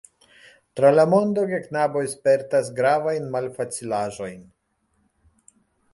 Tra la mondo geknaboj spertas gravajn malfacilaĵojn.